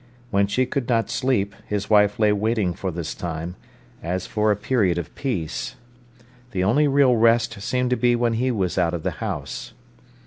When she could not sleep, his wife lay waiting for this time, as for a period of peace. The only real rest seemed to be when he was out of the house.